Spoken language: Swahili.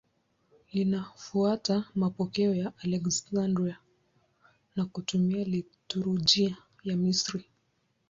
Linafuata mapokeo ya Aleksandria na kutumia liturujia ya Misri.